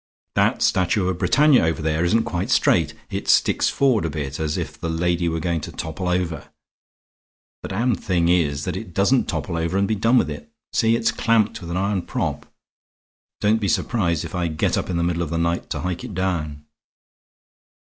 That statue of Britannia over there isn't quite straight; it sticks forward a bit as if the lady were going to topple over. The damned thing is that it doesn't topple over and be done with it. See, it's clamped with an iron prop. Don't be surprised if I get up in the middle of the night to hike it down."